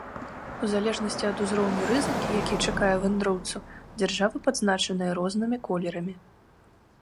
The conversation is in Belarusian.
У залежнасці ад узроўню рызыкі, які чакае вандроўцу, дзяржавы пазначаныя рознымі колерамі.